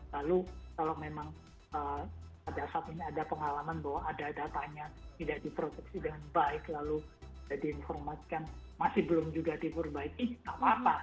lalu kalau memang pada saat ini ada pengalaman bahwa ada datanya tidak diproteksi dengan baik lalu diinformasikan masih belum juga diperbaiki tidak apa apa